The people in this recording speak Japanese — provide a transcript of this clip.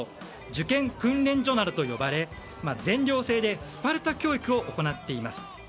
受験訓練所などと呼ばれ全寮制でスパルタ教育を行っています。